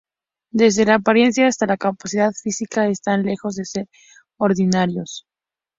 Desde la apariencia hasta la capacidad física, están lejos de ser ordinarios.